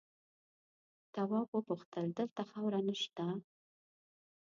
تواب وپوښتل دلته خاوره نه شته؟